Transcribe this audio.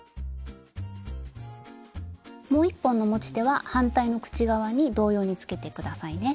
もう一本の持ち手は反対の口側に同様につけて下さいね。